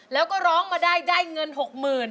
แล้วก็ร้องมาได้ได้เงินหกหมื่น